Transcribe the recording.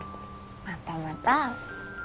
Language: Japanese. またまた。